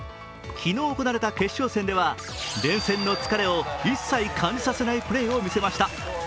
昨日行われた決勝戦では連戦の疲れを一切感じさせないプレーを見せました。